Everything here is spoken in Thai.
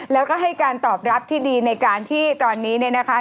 แล้วก็ให้การตอบรับที่ดีในการที่ตอนนี้เนี่ยนะคะ